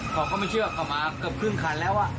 เขาก็ไม่เชื่อเขามาเกือบครึ่งคันแล้ว